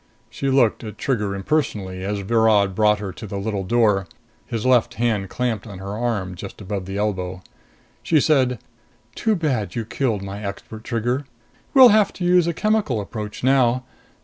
She looked at Trigger impersonally as Virod brought her to the little door, his left hand clamped on her arm just above the elbow. She said, "Too bad you killed my expert, Trigger! We'll have to use a chemical approach now.